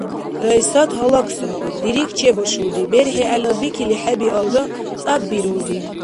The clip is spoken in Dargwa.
Райсат гьалаксаур. Дирихь чебашулри. БерхӀи гӀелабикили хӀебиалра, цӀяббирулри.